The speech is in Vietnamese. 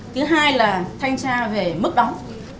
thứ hai là thanh tra về mức đóng